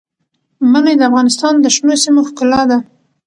منی د افغانستان د شنو سیمو ښکلا ده.